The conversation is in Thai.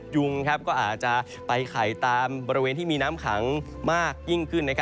ยุงก็อาจจะไปไข่ตามบริเวณที่มีน้ำขังมากยิ่งขึ้น